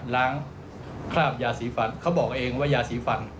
ล้างคราบยาสีฟันเขาบอกเองว่ายาสีฟัน